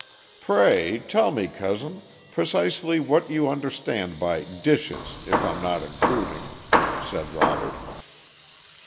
"Pray tell me, cousin, precisely what you understand by 'dishes,' if I'm not intruding," said Robert.